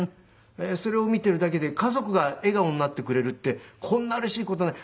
それを見ているだけで家族が笑顔になってくれるってこんなうれしい事ない。